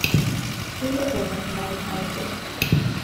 Two years later, he married Annie Phillips.